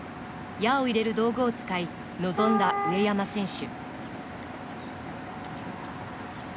矢を入れる道具を使い臨んだ上山選手。